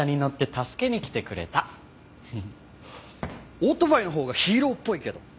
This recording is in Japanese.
オートバイのほうがヒーローっぽいけど。